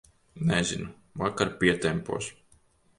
Nezinu, vakar pietempos.